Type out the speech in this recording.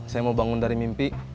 saya mau bangun dari mimpi